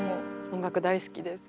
音楽大好きです。